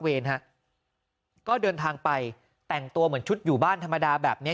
ก็เดินทางไปแต่งตัวเหมือนชุดอยู่บ้านธรรมดาแบบเนี้ย